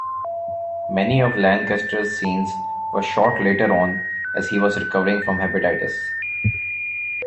Many of Lancaster's scenes were shot later on as he was recovering from hepatitis.